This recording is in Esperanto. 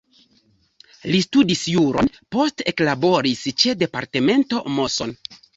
Li studis juron, poste eklaboris ĉe departemento Moson.